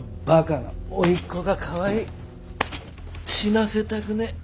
死なせたくねえ。